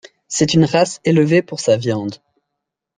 C'est une race élevée pour sa viande.